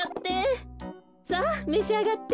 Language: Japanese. さあめしあがって。